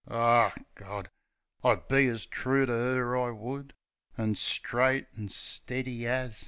Aw,, Gawd! I'd be as true to 'er, I would — As straight an' stiddy as